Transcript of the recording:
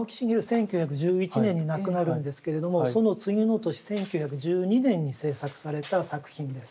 １９１１年に亡くなるんですけれどもその次の年１９１２年に制作された作品です。